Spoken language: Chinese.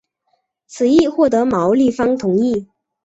此议获得毛利方同意。